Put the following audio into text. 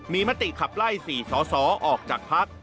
มีมะติขับไล่๔สออกจากภักรณ์